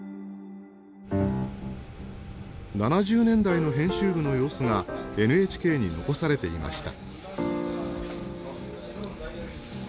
７０年代の編集部の様子がＮＨＫに残されていました。